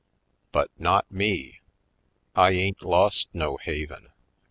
But not me! I ain't lost no haven.